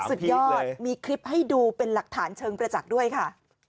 สุดยอดมีคลิปให้ดูเป็นหลักฐานเชิงประจักษ์ด้วยค่ะ